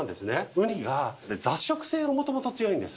ウニは雑食性がもともと強いんです。